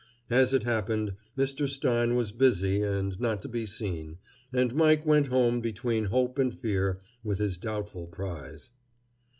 As it happened, Mr. Stein was busy and not to be seen, and Mike went home between hope and fear, with his doubtful prize.